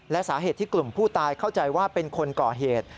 และสาเหตุที่กลุ่มผู้ตายเข้าใจว่าเป็นคนก่อเหตุ